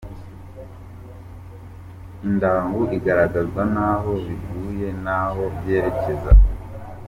Indagu igaragazwa n’aho biguye n’aho byerekeza.